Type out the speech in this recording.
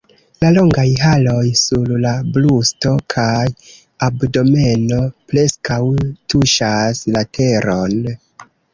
La longaj haroj sur la brusto kaj abdomeno preskaŭ tuŝas la teron.